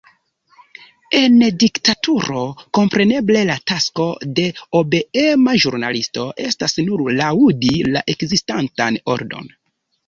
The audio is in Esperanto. En diktaturo kompreneble la tasko de obeema ĵurnalisto estas nur laŭdi la ekzistantan ordon.